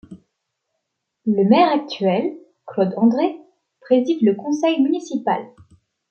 Le maire actuel, Claude André, préside le conseil municipal.